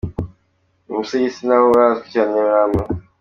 Uyu musigiti na wo urazwi cyane i Nyamirambo.